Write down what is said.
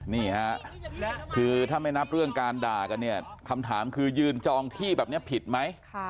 นี่ค่ะคือถ้าไม่นับเรื่องการด่ากันเนี่ยคำถามคือยืนจองที่แบบนี้ผิดไหม